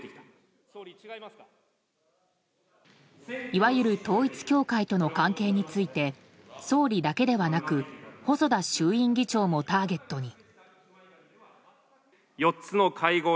いわゆる統一教会との関係について総理だけではなく細田衆院議長もターゲットに。